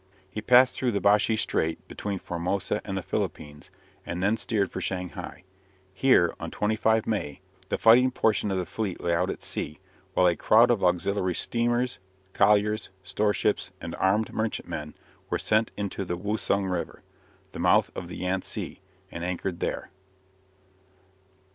He passed through the Bashi Strait between Formosa and the Philippines, and then steered for Shanghai. Here, on 25 May, the fighting portion of the fleet lay out at sea, while a crowd of auxiliary steamers, colliers, store ships, and armed merchantmen were sent into the Wusung River, the mouth of the Yang tse, and anchored there.